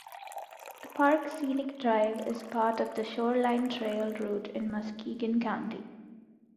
The park's Scenic Drive is part of the Shoreline Trail route in Muskegon County.